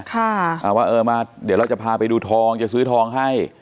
ค่ะอ่าว่าเออมาเดี๋ยวเราจะพาไปดูทองจะซื้อทองให้